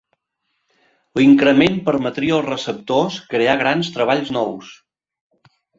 L'increment permetria als receptors crear grans treballs nous.